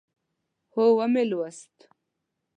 هو، ومی لوست